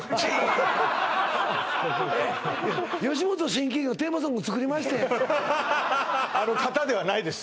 吉本新喜劇のテーマソング作りましてんあの方ではないです